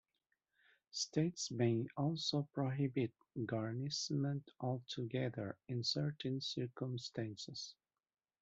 States may also prohibit garnishment altogether in certain circumstances.